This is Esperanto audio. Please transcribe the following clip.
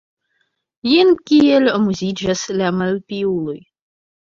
Jen kiel amuziĝas la malpiuloj!